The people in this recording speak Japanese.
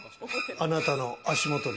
あなたの足元に。